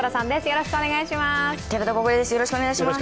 よろしくお願いします。